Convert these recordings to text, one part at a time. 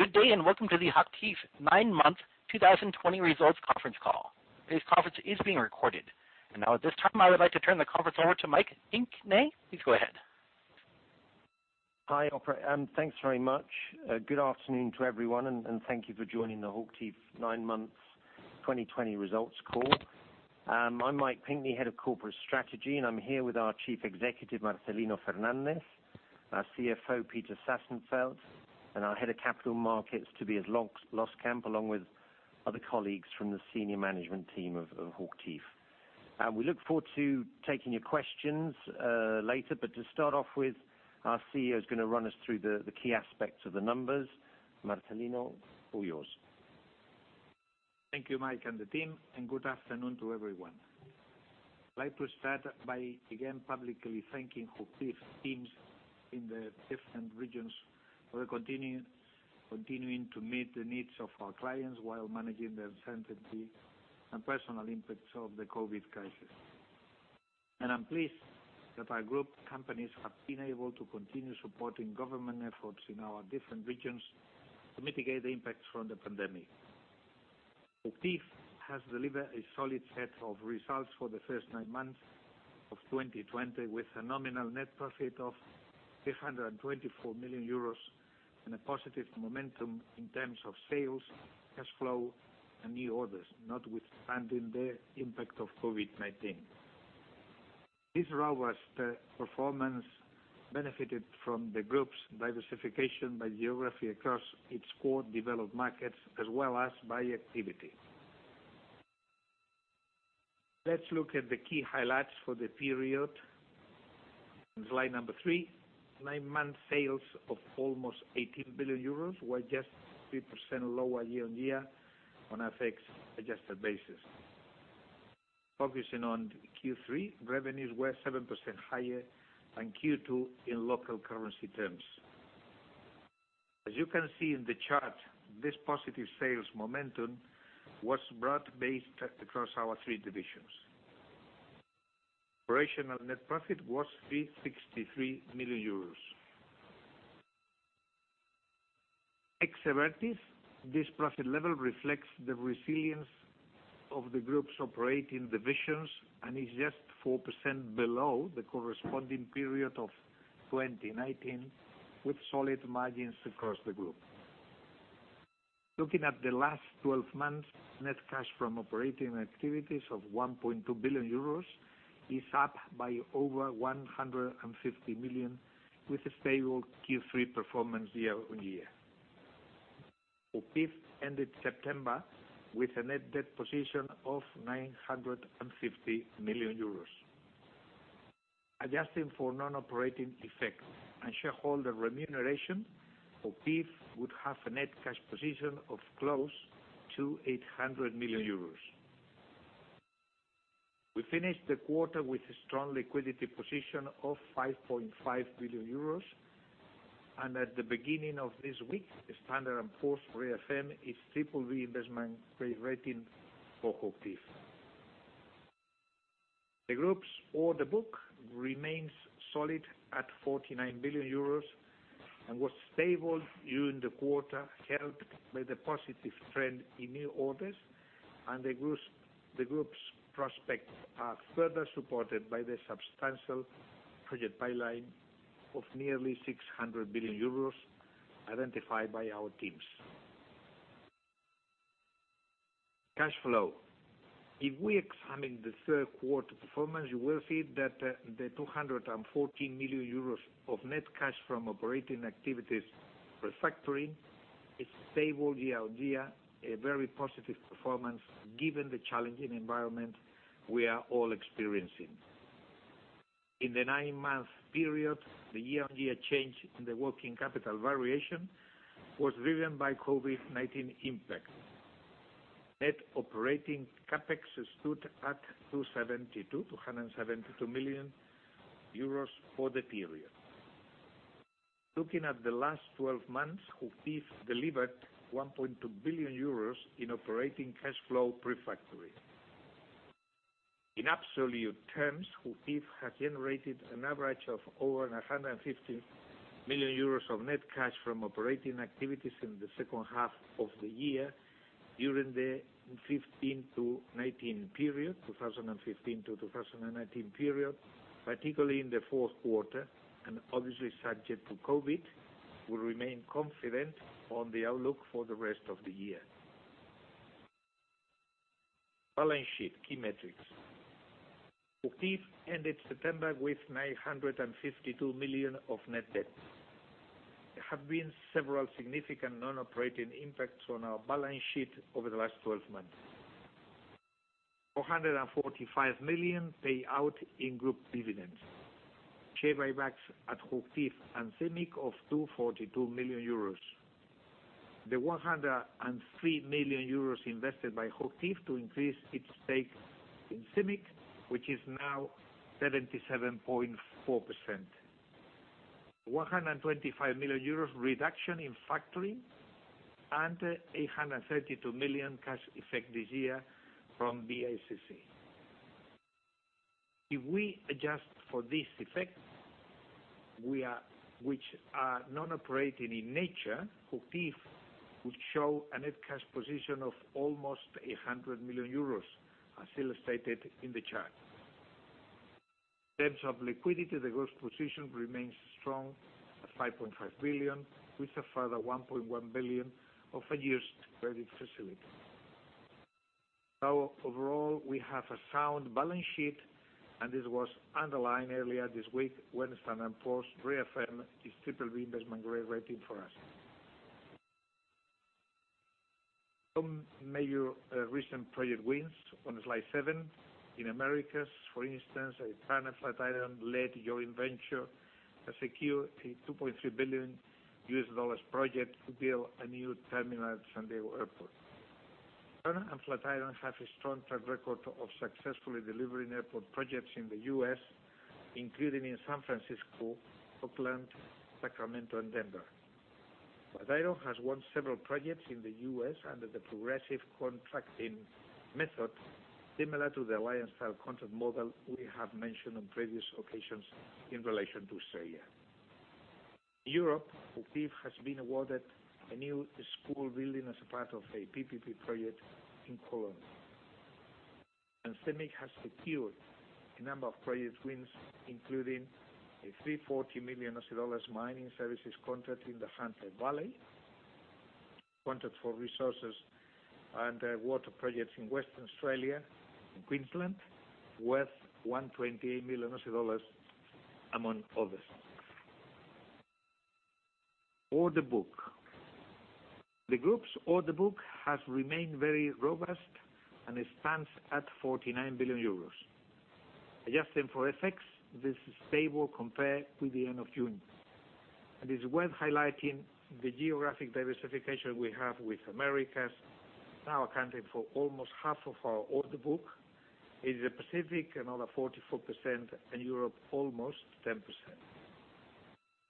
Good day and welcome to the HOCHTIEF nine Months 2020 Results Conference Call. This conference is being recorded. And now at this time I would like to turn the conference over to Mike Pinkney. Please go ahead. Hi Operator. Thanks very much. Good afternoon to everyone and, and thank you for joining the HOCHTIEF nine Months 2020 Results Call. I'm Mike Pinkney, Head of Corporate Strategy, and I'm here with our Chief Executive Marcelino Fernández, our CFO Peter Sassenfeld, and our Head of Capital Markets Tobias Loskamp along with other colleagues from the Senior Management Team of, of HOCHTIEF. We look forward to taking your questions later, but to start off with, our CEO's gonna run us through the, the key aspects of the numbers. Marcelino, all yours. Thank you Mike and the team, and good afternoon to everyone. I'd like to start by, again, publicly thanking HOCHTIEF teams in the different regions for continuing to meet the needs of our clients while managing the uncertainty and personal impacts of the COVID crisis. And I'm pleased that our group companies have been able to continue supporting government efforts in our different regions to mitigate the impacts from the pandemic. HOCHTIEF has delivered a solid set of results for the first nine months of 2020 with a nominal net profit of 324 million euros and a positive momentum in terms of sales, cash flow, and new orders, notwithstanding the impact of COVID-19. This robust performance benefited from the group's diversification by geography across its core developed markets as well as by activity. Let's look at the key highlights for the period. On slide number three, nine-month sales of almost 18 billion euros were just 3% lower year-on-year on an FX-adjusted basis. Focusing on Q3, revenues were 7% higher than Q2 in local currency terms. As you can see in the chart, this positive sales momentum was broad-based across our three divisions. Operational net profit was 363 million euros. Ex Abertis, this profit level reflects the resilience of the group's operating divisions and is just 4% below the corresponding period of 2019 with solid margins across the group. Looking at the last 12 months, net cash from operating activities of 1.2 billion euros is up by over 150 million with a stable Q3 performance year-on-year. HOCHTIEF ended September with a net debt position of 950 million euros. Adjusting for non-operating effect and shareholder remuneration, HOCHTIEF would have a net cash position of close to 800 million euros. We finished the quarter with a strong liquidity position of 5.5 billion euros and at the beginning of this week, the Standard & Poor's affirms BBB investment grade rating for HOCHTIEF. The group's order book remains solid at 49 billion euros and was stable during the quarter helped by the positive trend in new orders and the group's prospects are further supported by the substantial project pipeline of nearly 600 billion euros identified by our teams. Cash flow. If we examine the third quarter performance, you will see that the 214 million euros of net cash from operating activities factoring is stable year-on-year, a very positive performance given the challenging environment we are all experiencing. In the nine-month period, the year-on-year change in the working capital variation was driven by COVID-19 impact. Net operating CapEx stood at 272 million euros for the period. Looking at the last 12 months, HOCHTIEF delivered 1.2 billion euros in operating cash flow factoring. In absolute terms, HOCHTIEF has generated an average of over 150 million euros of net cash from operating activities in the second half of the year during the 2015 to 2019 period, particularly in the fourth quarter and obviously subject to COVID, we remain confident on the outlook for the rest of the year. Balance sheet key metrics. HOCHTIEF ended September with 952 million of net debt. There have been several significant non-operating impacts on our balance sheet over the last 12 months. 445 million payout in group dividends. Share buybacks at HOCHTIEF and CIMIC of 242 million euros. The 103 million euros invested by HOCHTIEF to increase its stake in CIMIC, which is now 77.4%. 125 million euros reduction in factoring and 832 million cash effect this year from BICC. If we adjust for this effect, which are non-operating in nature, HOCHTIEF would show a net cash position of almost 100 million euros as illustrated in the chart. In terms of liquidity, the gross position remains strong at 5.5 billion with a further 1.1 billion of a year's credit facility. So overall, we have a sound balance sheet and this was underlined earlier this week when Standard & Poor's confirmed its BBB investment grade rating for us. Some major, recent project wins on slide 7 in America. For instance, a Turner Flatiron-led joint venture to secure a $2.3 billion project to build a new terminal at San Diego Airport. Turner and Flatiron have a strong track record of successfully delivering airport projects in the U.S. including in San Francisco, Oakland, Sacramento, and Denver. Flatiron has won several projects in the U.S. under the progressive contracting method similar to the Alliance-style contract model we have mentioned on previous occasions in relation to Australia. In Europe, HOCHTIEF has been awarded a new school building as a part of a PPP project in Cologne. CIMIC has secured a number of project wins including a $340 million mining services contract in the Hunter Valley, contract for resources and water projects in Western Australia and Queensland worth $128 million among others. Order book. The group's order book has remained very robust and it stands at €49 billion. Adjusting for effects, this is stable compared with the end of June. This is worth highlighting the geographic diversification we have with Americas now accounting for almost half of our order book. Asia Pacific another 44% and Europe almost 10%.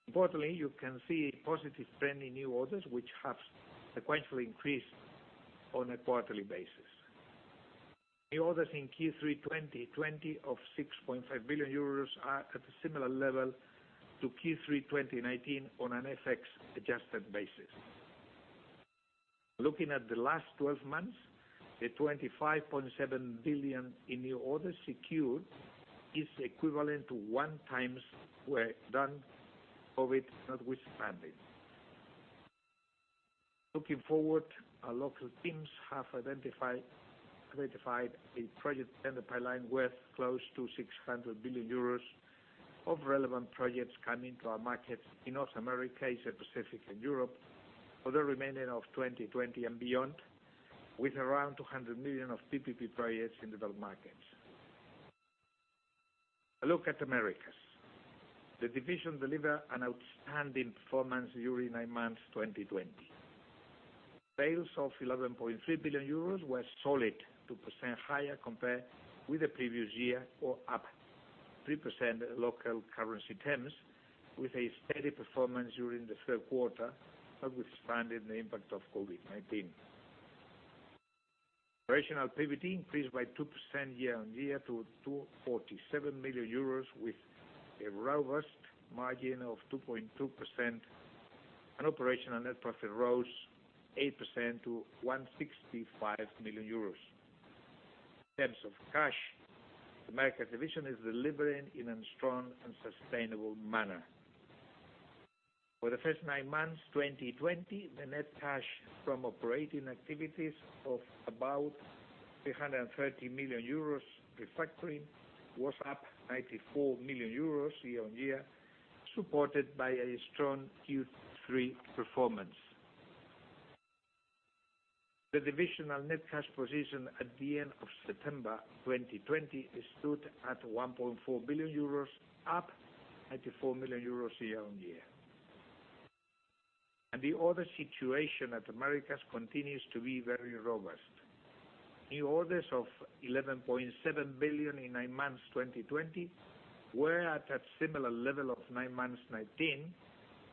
Importantly, you can see a positive trend in new orders which have sequentially increased on a quarterly basis. New orders in Q3 2020 of 6.5 billion euros are at a similar level to Q3 2019 on an effects-adjusted basis. Looking at the last 12 months, the 25.7 billion in new orders secured is equivalent to one times work done of it notwithstanding. Looking forward, our local teams have identified a project standard pipeline worth close to 600 million euros of relevant projects coming to our markets in North America, Asia Pacific, and Europe for the remainder of 2020 and beyond with around 200 million of PPP projects in developed markets. A look at Americas. The division delivered an outstanding performance during nine months 2020. Sales of 11.3 billion euros were solid 2% higher compared with the previous year or up 3% local currency terms with a steady performance during the third quarter notwithstanding the impact of COVID-19. Operational PBT increased by 2% year-on-year to 247 million euros with a robust margin of 2.2% and operational net profit rose 8% to 165 million euros. In terms of cash, the Americas division is delivering in a strong and sustainable manner. For the first nine months 2020, the net cash from operating activities of about 330 million euros after factoring was up 94 million euros year-on-year supported by a strong Q3 performance. The divisional net cash position at the end of September 2020 stood at 1.4 billion euros up 94 million euros year-on-year. The order situation at Americas continues to be very robust. New orders of 11.7 billion in nine months 2020 were at a similar level of nine months 2019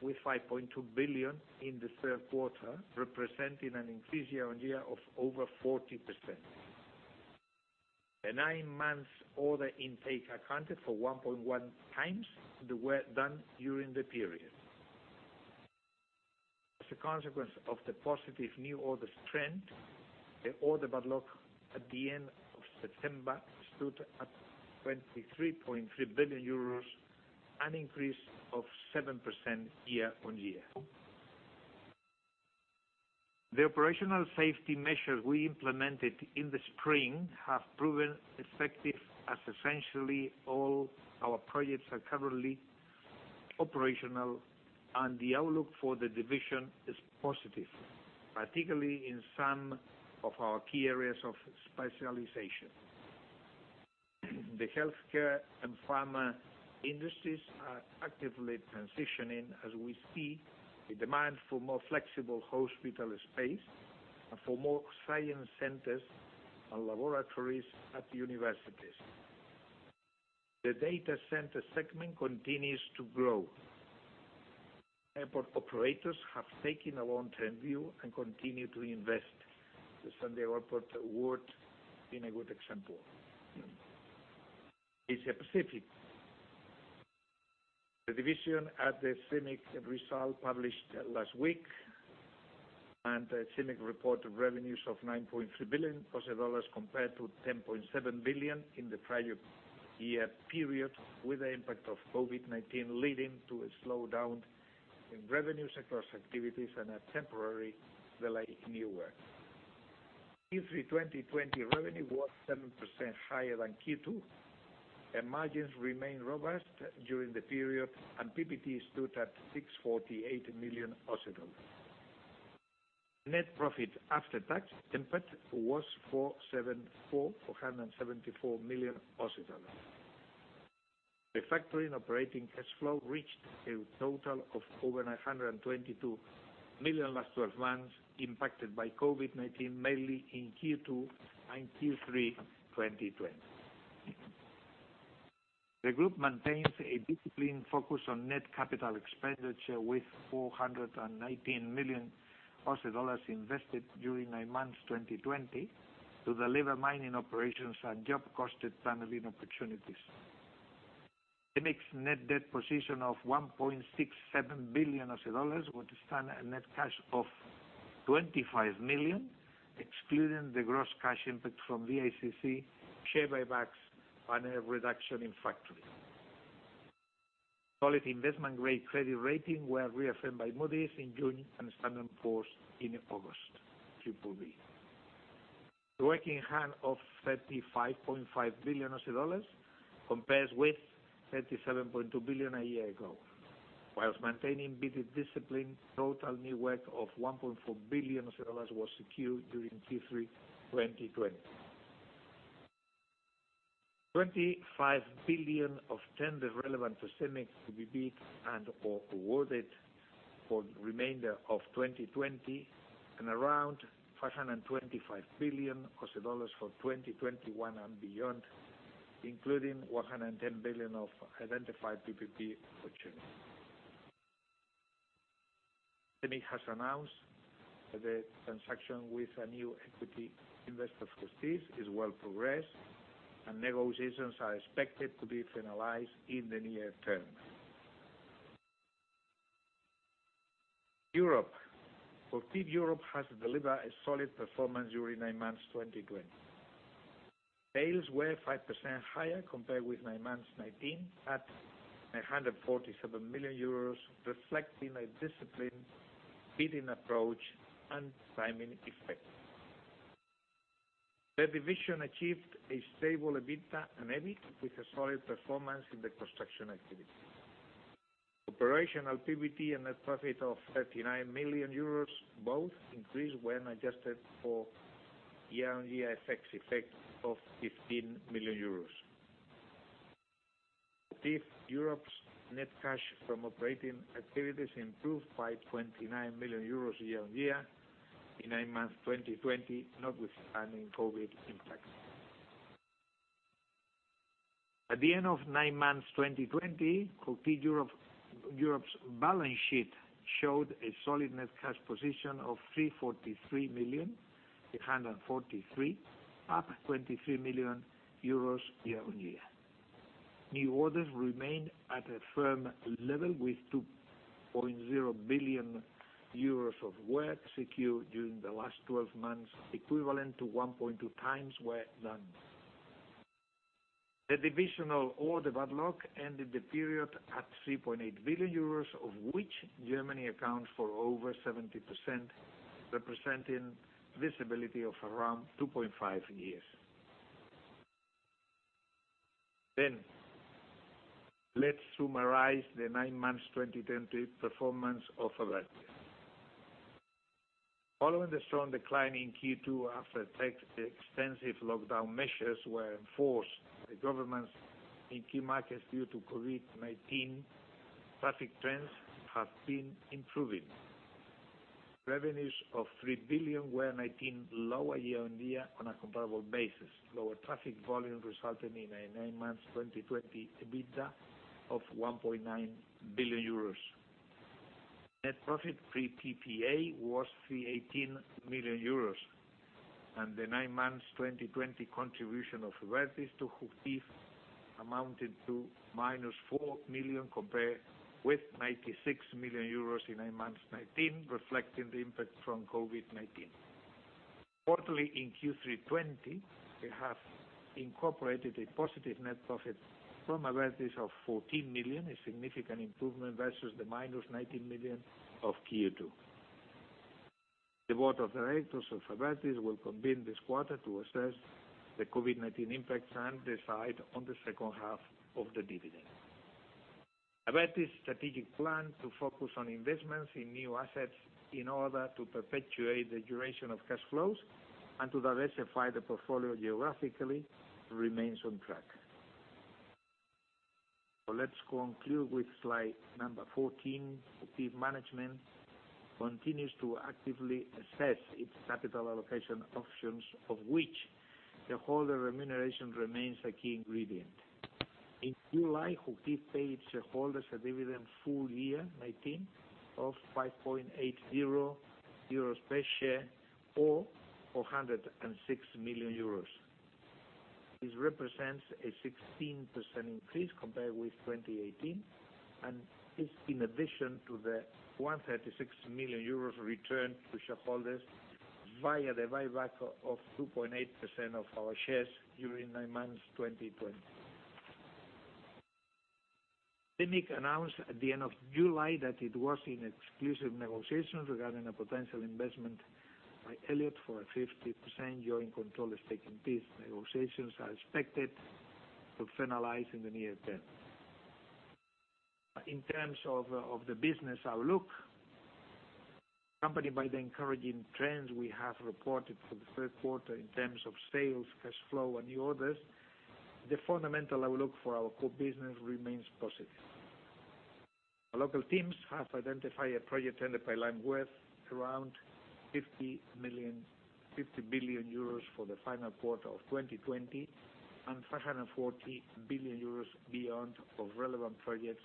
with 5.2 billion in the third quarter representing an increase year-on-year of over 40%. The nine-months order intake accounted for 1.1 times the work done during the period. As a consequence of the positive new orders trend, the order backlog at the end of September stood at 23.3 billion euros, an increase of 7% year-on-year. The operational safety measures we implemented in the spring have proven effective as essentially all our projects are currently operational and the outlook for the division is positive particularly in some of our key areas of specialization. The healthcare and pharma industries are actively transitioning as we see the demand for more flexible hospital space and for more science centers and laboratories at universities. The data center segment continues to grow. Airport operators have taken a long-term view and continue to invest. The San Diego Airport would be a good example. Asia Pacific. The division at the CIMIC result published last week and the CIMIC report of revenues of 9.3 billion dollars compared to 10.7 billion in the prior year period with the impact of COVID-19 leading to a slowdown in revenues across activities and a temporary delay in new work. Q3 2020 revenue was 7% higher than Q2 and margins remained robust during the period and PBT stood at EUR 648 million. Net profit after tax impact was 474 million. Factoring operating cash flow reached a total of over 122 million last 12 months impacted by COVID-19 mainly in Q2 and Q3 2020. The group maintains a disciplined focus on net capital expenditure with 419 million Aussie dollars invested during nine months 2020 to deliver mining operations and job-costed tunneling opportunities. CIMIC's net debt position of 1.67 billion dollars would stand at a net cash of 25 million excluding the gross cash impact from BICC share buybacks and a reduction in factoring. A solid investment grade credit rating was reaffirmed by Moody's in June and Standard & Poor's in August. BBB. The work in hand of AUD 35.5 billion compares with 37.2 billion a year ago while maintaining bidding discipline. Total new work of AUD 1.4 billion was secured during Q3 2020. 25 billion of tenders relevant to CIMIC to be bid and/or awarded for the remainder of 2020 and around AUD 525 billion for 2021 and beyond including 110 billion of identified PPP opportunity. CIMIC has announced that the transaction with a new equity investor for Thiess is well progressed and negotiations are expected to be finalized in the near term. Europe. HOCHTIEF Europe has delivered a solid performance during nine months 2020. Sales were 5% higher compared with nine months 2019 at 947 million euros reflecting a disciplined bidding approach and timing effect. The division achieved a stable EBITDA and EBIT with a solid performance in the construction activity. Operational PBT and net profit of 39 million euros both increased when adjusted for year-on-year effects of EUR 15 million. HOCHTIEF Europe's net cash from operating activities improved by 29 million euros year-on-year in nine months 2020 notwithstanding COVID impact. At the end of nine months 2020, HOCHTIEF Europe's balance sheet showed a solid net cash position of 343 million up 23 million euros year-on-year. New orders remained at a firm level with 2.0 billion euros of work secured during the last 12 months equivalent to 1.2x work done. The divisional order backlog ended the period at 3.8 billion euros of which Germany accounts for over 70% representing visibility of around 2.5 years. Let's summarize the nine months 2020 performance of Americas. Following the strong decline in Q2 after extensive lockdown measures were enforced by governments in key markets due to COVID-19, traffic trends have been improving. Revenues of 3 billion were 2019 lower year-on-year on a comparable basis. Lower traffic volume resulting in a nine months 2020 EBITDA of 1.9 billion euros. Net profit pre-PPA was 318 million euros and the nine months 2020 contribution of Americas to HOCHTIEF amounted to minus 4 million compared with 96 million euros in nine months 2019 reflecting the impact from COVID-19. Quarterly in Q3 2020, they have incorporated a positive net profit from Americas of 14 million, a significant improvement versus the minus 19 million of Q2. The board of directors of Americas will convene this quarter to assess the COVID-19 impacts and decide on the second half of the dividend. Americas' strategic plan to focus on investments in new assets in order to perpetuate the duration of cash flows and to diversify the portfolio geographically remains on track. So let's conclude with slide number 14. HOCHTIEF management continues to actively assess its capital allocation options of which the shareholder remuneration remains a key ingredient. In July, HOCHTIEF paid its shareholders a dividend full year 2019 of 5.80 euros per share or 106 million euros. This represents a 16% increase compared with 2018 and is in addition to the 136 million euros return to shareholders via the buyback of 2.8% of our shares during nine months 2020. CIMIC announced at the end of July that it was in exclusive negotiations regarding a potential investment by Elliott for a 50% joint control stake in Thiess. Negotiations are expected to finalize in the near term. In terms of the business outlook, accompanied by the encouraging trends we have reported for the third quarter in terms of sales, cash flow, and new orders, the fundamental outlook for our core business remains positive. Our local teams have identified a project tender pipeline worth around 50 billion euros for the final quarter of 2020 and 540 billion euros beyond of relevant projects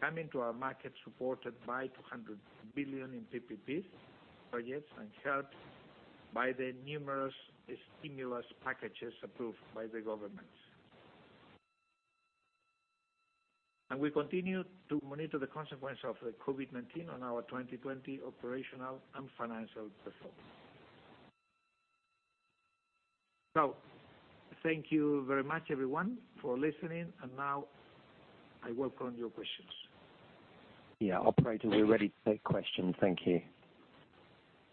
coming to our market supported by 200 billion in PPP projects and helped by the numerous stimulus packages approved by the governments. We continue to monitor the consequence of the COVID-19 on our 2020 operational and financial performance. Thank you very much everyone for listening and now I welcome your questions. Yeah, operator, we're ready to take questions. Thank you.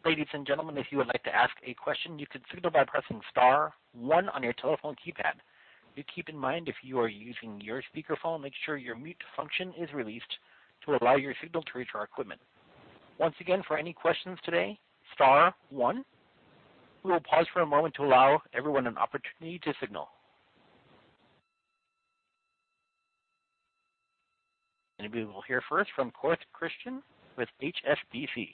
Ladies and gentlemen, if you would like to ask a question, you can signal by pressing star one on your telephone keypad. Do keep in mind if you are using your speakerphone, make sure your mute function is released to allow your signal to reach our equipment. Once again, for any questions today, star one. We will pause for a moment to allow everyone an opportunity to signal. We will hear first from Christian Korth with HSBC.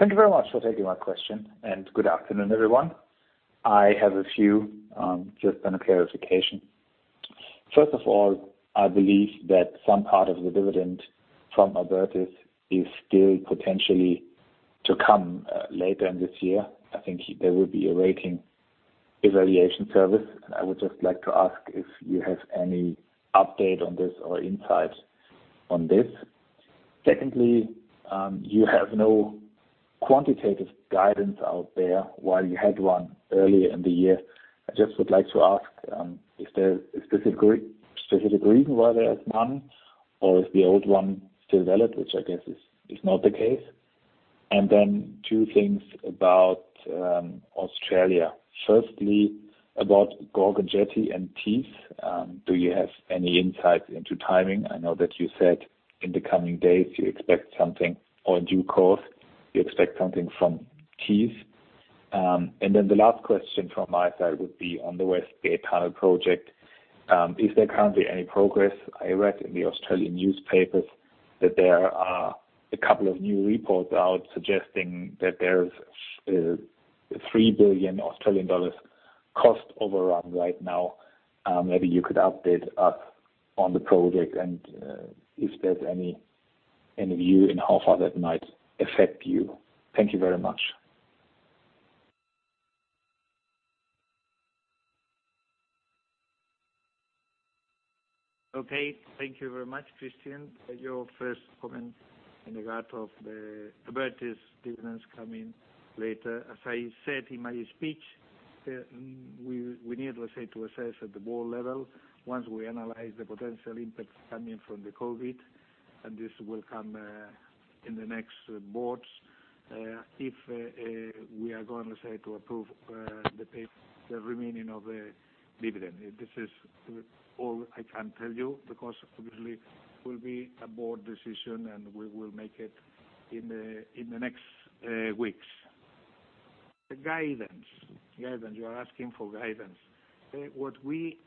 Thank you very much for taking my question, and good afternoon everyone. I have a few just on a clarification. First of all, I believe that some part of the dividend from Americas is still potentially to come later in this year. I think there will be a rating evaluation service and I would just like to ask if you have any update on this or insight on this. Secondly, you have no quantitative guidance out there while you had one earlier in the year. I just would like to ask if there's a specific reason why there is none or if the old one is still valid which I guess is not the case. And then two things about Australia. Firstly, about Gorgon Jetty and Thiess, do you have any insights into timing? I know that you said in the coming days you expect something or in due course, you expect something from Thiess. And then the last question from my side would be on the Westgate Tunnel project. Is there currently any progress? I read in the Australian newspapers that there are a couple of new reports out suggesting that there's a 3 billion Australian dollars cost overrun right now. Maybe you could update us on the project and if there's any view in how far that might affect you. Thank you very much. Okay. Thank you very much Christian. Your first comment in regard of the Americas dividends coming later. As I said in my speech, we need to assess at the board level once we analyze the potential impact coming from the COVID, and this will come in the next boards if we are going to approve the remaining of the dividend. This is all I can tell you because obviously it will be a board decision, and we will make it in the next weeks. The guidance. Guidance. You are asking for guidance. What we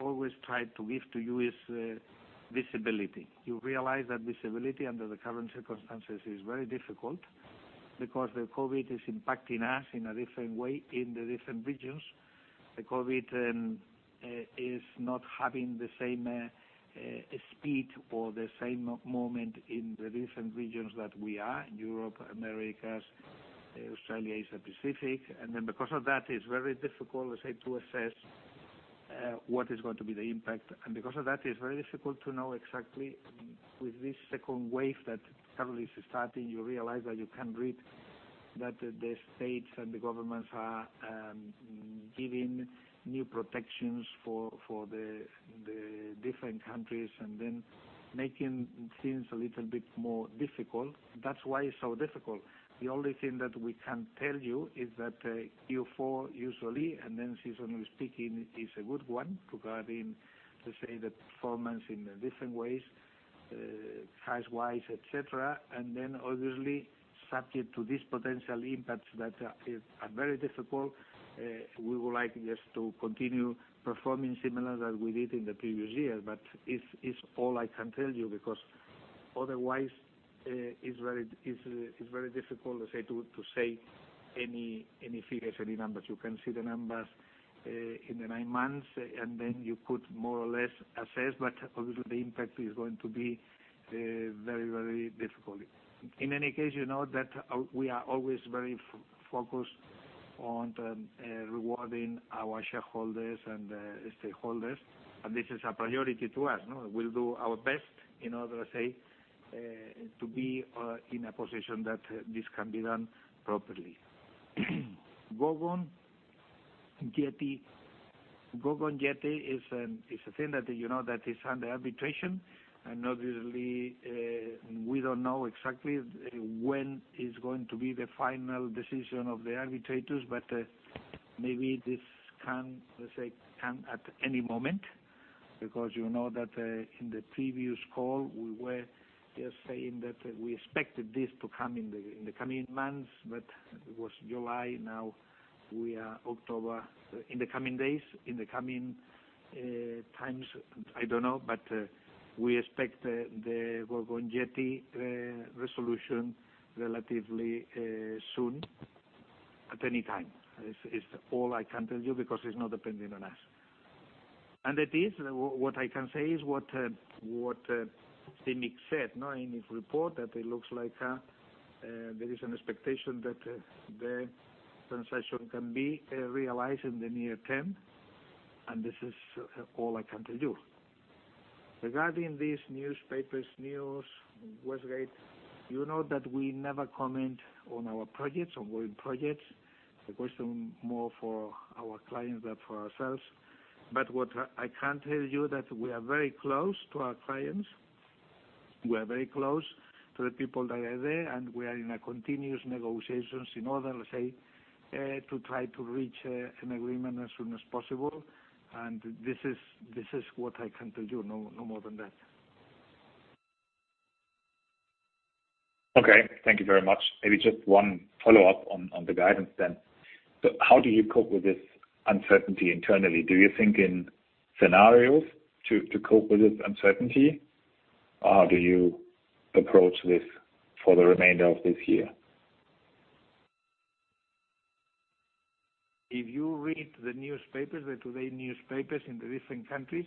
always try to give to you is visibility. You realize that visibility under the current circumstances is very difficult because the COVID is impacting us in a different way in the different regions. The COVID is not having the same speed or the same moment in the different regions that we are: Europe, Americas, Australia, Asia Pacific. And then because of that, it's very difficult to assess what is going to be the impact. And because of that, it's very difficult to know exactly with this second wave that currently is starting. You realize that you can't read that the states and the governments are giving new protections for the different countries and then making things a little bit more difficult. That's why it's so difficult. The only thing that we can tell you is that Q4 usually and then seasonally speaking is a good one regarding, let's say, the performance in different ways, price-wise, etc. And then obviously subject to these potential impacts that are very difficult, we would like just to continue performing similar as we did in the previous year. But it's all I can tell you because otherwise it's very difficult to say any figures, any numbers. You can see the numbers in the nine months and then you could more or less assess, but obviously the impact is going to be very, very difficult. In any case, you know that we are always very focused on rewarding our shareholders and stakeholders and this is a priority to us. We'll do our best in order to be in a position that this can be done properly. Gorgon Jetty. Gorgon Jetty is a thing that is under arbitration and obviously we don't know exactly when it's going to be the final decision of the arbitrators but maybe this can at any moment because you know that in the previous call we were just saying that we expected this to come in the coming months but it was July, now we are October. In the coming days, in the coming times, I don't know, but we expect the Gorgon Jetty resolution relatively soon, at any time. It's all I can tell you because it's not depending on us. And it is. What I can say is what CIMIC said in its report that it looks like there is an expectation that the transaction can be realized in the near term and this is all I can tell you. Regarding these newspapers' news, Westgate, you know that we never comment on our projects or going projects. The question is more for our clients than for ourselves. But what I can tell you is that we are very close to our clients. We are very close to the people that are there and we are in a continuous negotiations in order to try to reach an agreement as soon as possible and this is what I can tell you. No more than that. Okay. Thank you very much. Maybe just one follow-up on the guidance then. So how do you cope with this uncertainty internally? Do you think in scenarios to cope with this uncertainty or how do you approach this for the remainder of this year? If you read the newspapers, the today newspapers in the different countries,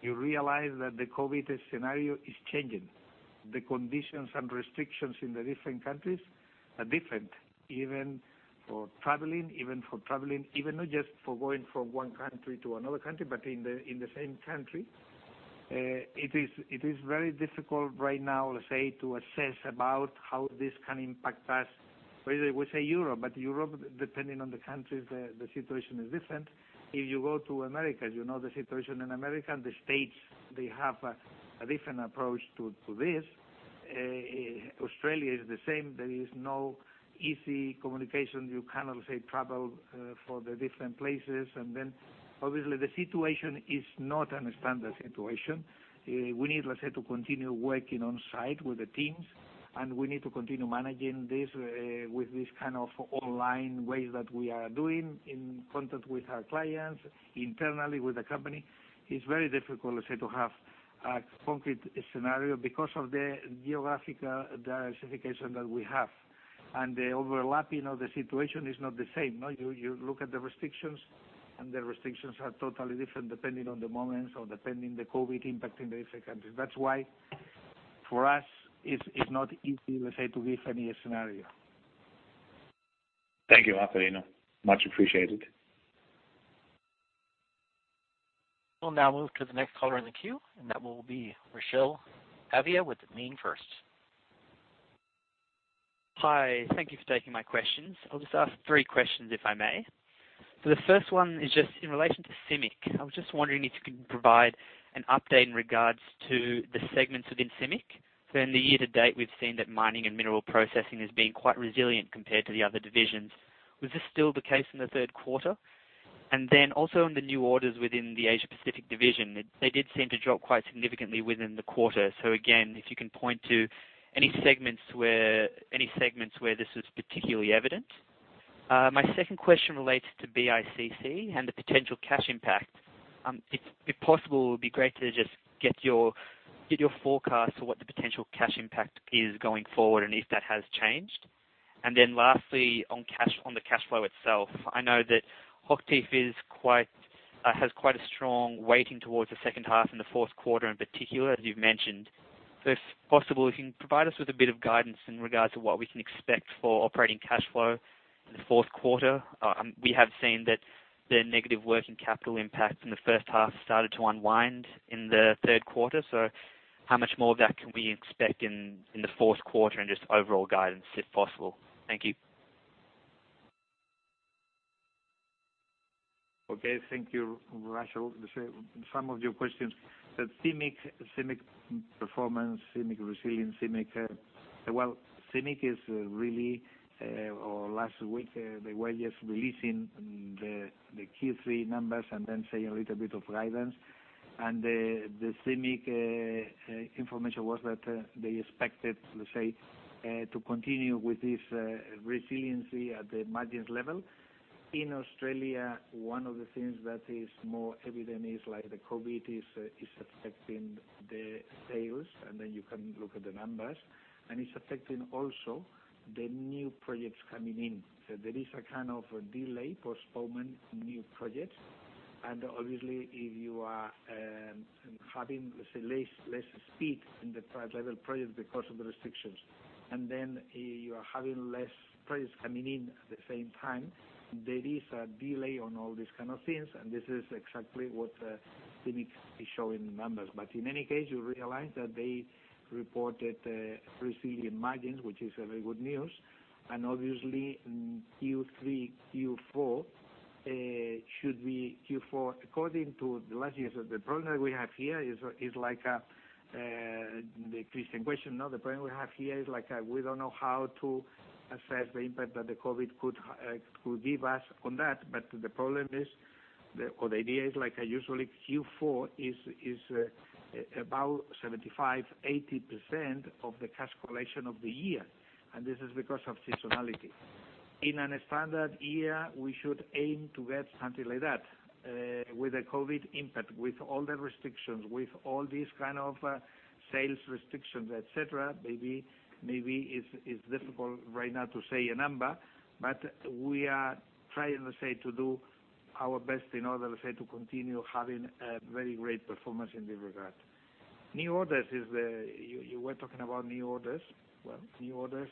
you realize that the COVID scenario is changing. The conditions and restrictions in the different countries are different even for traveling, even for traveling, even not just for going from one country to another country but in the same country. It is very difficult right now to assess about how this can impact us. We say Europe, but Europe, depending on the countries, the situation is different. If you go to Americas, you know the situation in America and the states, they have a different approach to this. Australia is the same. There is no easy communication. You cannot travel for the different places and then obviously the situation is not a standard situation. We need to continue working on site with the teams and we need to continue managing this with this kind of online ways that we are doing in contact with our clients, internally with the company. It's very difficult to have a concrete scenario because of the geographical diversification that we have and the overlapping of the situation is not the same. You look at the restrictions and the restrictions are totally different depending on the moments or depending on the COVID impact in the different countries. That's why for us it's not easy to give any scenario. Thank you, Marcelino. Much appreciated. We'll now move to the next caller in the queue and that will be Rochelle Avia with Moelis First. Hi. Thank you for taking my questions. I'll just ask three questions if I may. So the first one is just in relation to CIMIC. I was just wondering if you could provide an update in regards to the segments within CIMIC. So in the year to date, we've seen that mining and mineral processing has been quite resilient compared to the other divisions. Was this still the case in the third quarter? And then also in the new orders within the Asia Pacific division, they did seem to drop quite significantly within the quarter. So again, if you can point to any segments where this was particularly evident? My second question relates to BICC and the potential cash impact. If possible, it would be great to just get your forecast for what the potential cash impact is going forward and if that has changed. And then lastly, on the cash flow itself, I know that HOCHTIEF has quite a strong weighting towards the second half and the fourth quarter in particular as you've mentioned. So if possible, if you can provide us with a bit of guidance in regards to what we can expect for operating cash flow in the fourth quarter? We have seen that the negative working capital impact in the first half started to unwind in the third quarter. So how much more of that can we expect in the fourth quarter and just overall guidance if possible? Thank you. Okay. Thank you, Rochelle. Some of your questions. So CIMIC performance, CIMIC resilience, CIMIC well, CIMIC is really last week, they were just releasing the Q3 numbers and then saying a little bit of guidance. And the CIMIC information was that they expected to continue with this resiliency at the margins level. In Australia, one of the things that is more evident is the COVID is affecting the sales and then you can look at the numbers and it's affecting also the new projects coming in. So there is a kind of delay, postponement, new projects. Obviously if you are having less speed in the prior level projects because of the restrictions and then you are having less projects coming in at the same time, there is a delay on all these kind of things and this is exactly what CIMIC is showing in numbers. But in any case, you realize that they reported resilient margins which is very good news and obviously Q3, Q4 should be Q4 according to the last year. So the problem that we have here is like the Christian question. The problem we have here is we don't know how to assess the impact that the COVID could give us on that but the problem is or the idea is usually Q4 is about 75%-80% of the cash collection of the year and this is because of seasonality. In a standard year, we should aim to get. Something like that. With the COVID impact, with all the restrictions, with all these kind of sales restrictions, etc., maybe it's difficult right now to say a number, but we are trying to do our best in order to continue having a very great performance in this regard. New orders is the you were talking about new orders. Well, new orders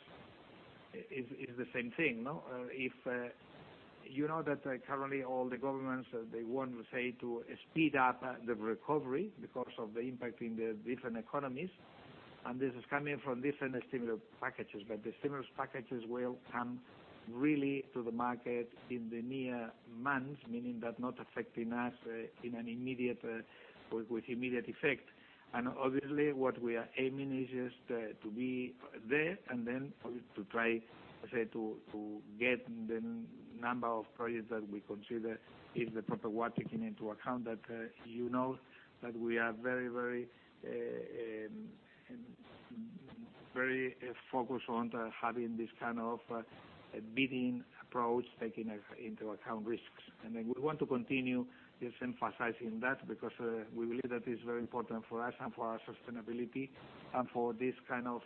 is the same thing. You know that currently all the governments, they want to speed up the recovery because of the impact in the different economies, and this is coming from different stimulus packages, but the stimulus packages will come really to the market in the near months, meaning that not affecting us with immediate effect. And obviously what we are aiming is just to be there and then to try to get the number of projects that we consider is the proper one taking into account that you know that we are very, very focused on having this kind of bidding approach, taking into account risks. And then we want to continue just emphasizing that because we believe that it's very important for us and for our sustainability and for this kind of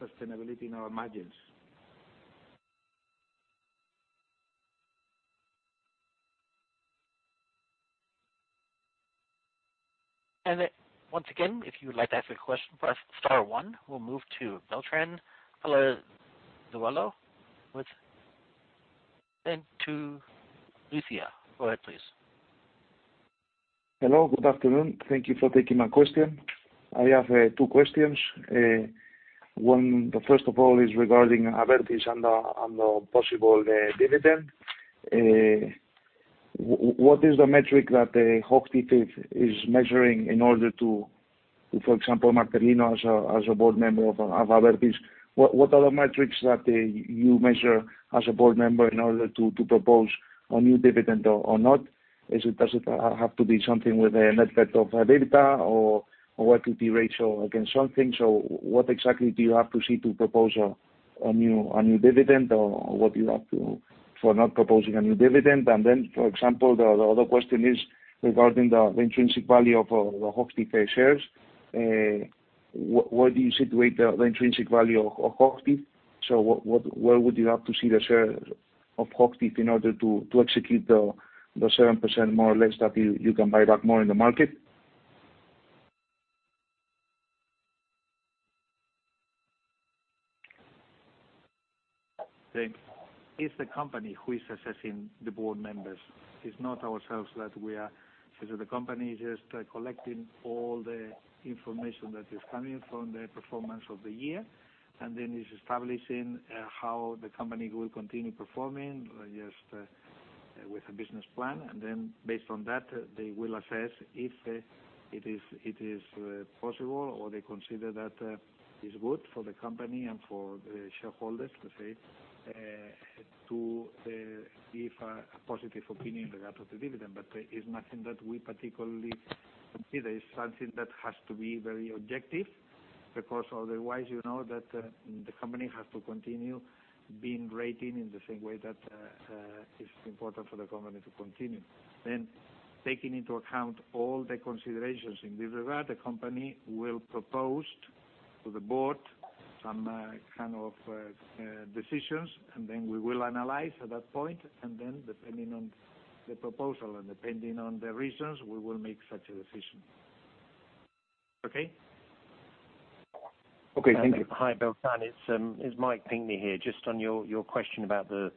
sustainability in our margins. And once again, if you would like to ask a question for us, star one, we'll move to Beltrán Palazuelo with Santalucía. Go ahead, please. Hello. Good afternoon. Thank you for taking my question. I have two questions. The first of all is regarding Abertis and the possible dividend. What is the metric that HOCHTIEF is measuring in order to, for example, Marcelino as a board member of Abertis, what are the metrics that you measure as a board member in order to propose a new dividend or not? Does it have to be something with a net cut of EBITDA or equity ratio against something? So what exactly do you have to see to propose a new dividend or what do you have to do for not proposing a new dividend? And then, for example, the other question is regarding the intrinsic value of the HOCHTIEF shares. Where do you situate the intrinsic value of HOCHTIEF? So where would you have to see the share of HOCHTIEF in order to execute the 7% more or less that you can buy back more in the market? Okay. Is the company who is assessing the board members? It's not ourselves that we are, so the company is just collecting all the information that is coming from the performance of the year, and then it's establishing how the company will continue performing just with a business plan, and then based on that, they will assess if it is possible or they consider that it's good for the company and for the shareholders to give a positive opinion regard to the dividend. But it's nothing that we particularly consider. It's something that has to be very objective because otherwise, you know, that the company has to continue being rated in the same way that it's important for the company to continue. Then taking into account all the considerations in this regard, the company will propose to the board some kind of decisions and then we will analyze at that point and then depending on the proposal and depending on the reasons, we will make such a decision. Okay? Okay. Thank you. Hi, Beltrán. It's Mike Pinkney here just on your question about the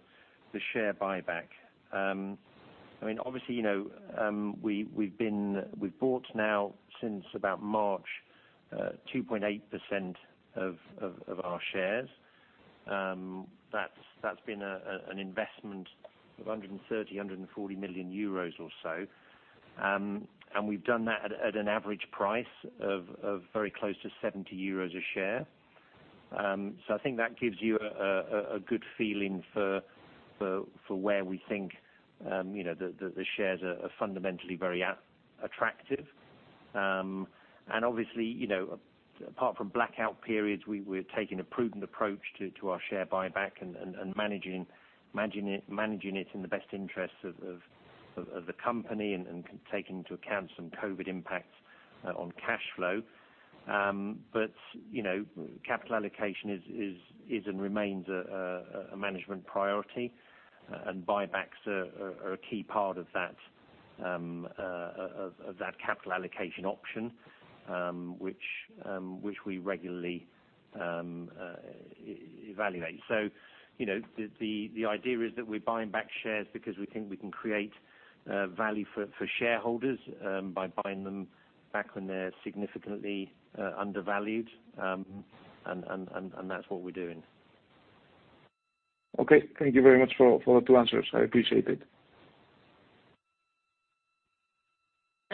share buyback. I mean, obviously we've bought now since about March 2.8% of our shares. That's been an investment of 130 million-140 million euros or so and we've done that at an average price of very close to 70 euros a share. So I think that gives you a good feeling for where we think the shares are fundamentally very attractive. Obviously, apart from blackout periods, we're taking a prudent approach to our share buyback and managing it in the best interests of the company and taking into account some COVID impacts on cash flow. Capital allocation is and remains a management priority and buybacks are a key part of that capital allocation option which we regularly evaluate. The idea is that we're buying back shares because we think we can create value for shareholders by buying them back when they're significantly undervalued and that's what we're doing. Okay. Thank you very much for the two answers. I appreciate it.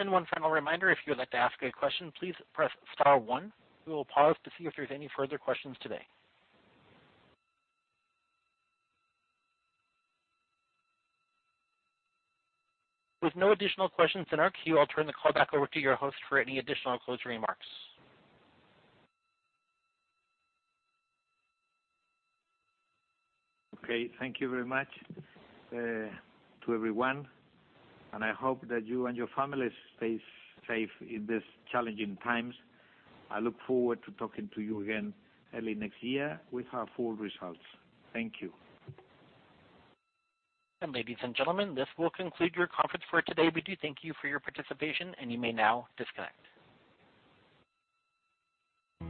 One final reminder, if you would like to ask a question, please press star one. We will pause to see if there's any further questions today. With no additional questions in our queue, I'll turn the call back over to your host for any additional closing remarks. Okay. Thank you very much to everyone and I hope that you and your families stay safe in these challenging times. I look forward to talking to you again early next year with our full results. Thank you. And ladies and gentlemen, this will conclude your conference for today. We do thank you for your participation and you may now disconnect.